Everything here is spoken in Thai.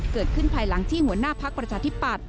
ภายหลังที่หัวหน้าพักประชาธิปัตย